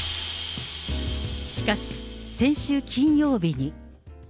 しかし、先週金曜日に。